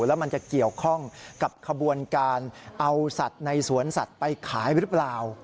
แล้วมันจะเกี่ยวข้องกับขบวนการเอาสัตว์ในสวนสัตว์ไปขายหรือเปล่า